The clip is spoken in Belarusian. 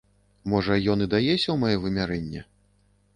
Можа, ён і дае сёмае вымярэнне?